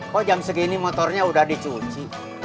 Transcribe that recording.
kok jam segini motornya udah dicuci